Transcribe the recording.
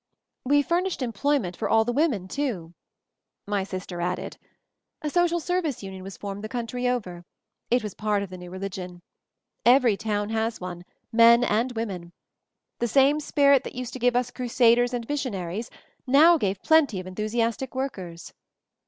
"We furnished employment for all the women, too," my sister added. "A Social Service Union was formed the country over ; it was part of the new religion. Every town has one — men and women. The same spirit that used to give us crusaders and mission aries now gave plenty of enthusiastic workers."